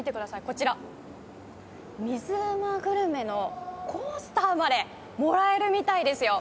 こちら水うまグルメのコースターまでもらえるみたいですよ。